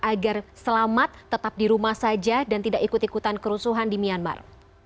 agar selamat tetap di rumah saja dan tidak ikut ikutan kerusuhan di myanmar